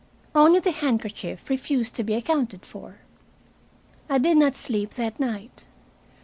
Only the handkerchief refused to be accounted for. I did not sleep that night.